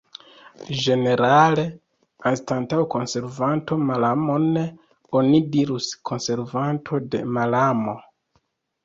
Ĝenerale, anstataŭ konservanto malamon, oni dirus konservanto de malamo.